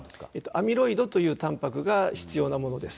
アミロイドというたんぱくが必要なものです。